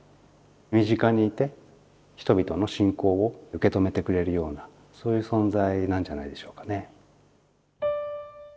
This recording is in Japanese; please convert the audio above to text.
身近にいて人々の信仰を受け止めてくれるようなそういう存在なんじゃないでしょうかね。